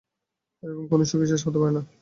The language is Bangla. এর কোন সুখী শেষ হতে পারে না।